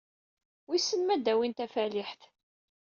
Wissen ma ad d-awin tafaliḥt?